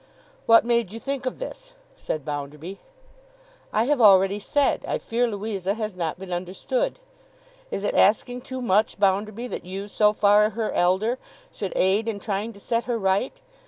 'What made you think of this?' said Bounderby. 'I have already said, I fear Louisa has not been understood. Is it asking too much, Bounderby, that you, so far her elder, should aid in trying to set her right?